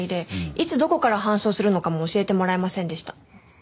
いつどこから搬送するのかも教えてもらえませんでした。